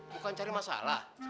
bukan cari masalah